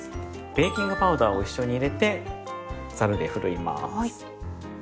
ベーキングパウダーを一緒に入れてざるでふるいます。